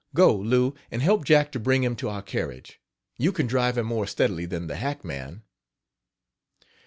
"Go, Lou, and help Jack to bring him to our carriage. You can drive him more steadily than the hackman.